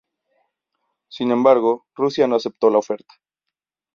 Sin embargo, Rusia no acepto la oferta.